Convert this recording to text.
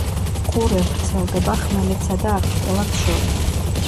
ყურე ვრცელდება ხმელეთსა და არქიპელაგს შორის.